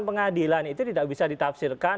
pengadilan itu tidak bisa ditafsirkan